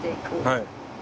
はい。